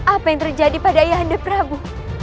apa yang terjadi pada ayahanda prabu